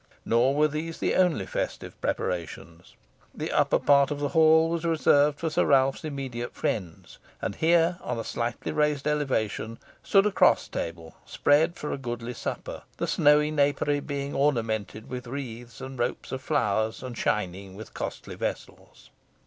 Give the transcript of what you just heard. Nor were these the only festive preparations. The upper part of the hall was reserved for Sir Ralph's immediate friends, and here, on a slightly raised elevation, stood a cross table, spread for a goodly supper, the snowy napery being ornamented with wreaths and ropes of flowers, and shining with costly vessels.